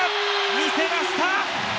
見せました！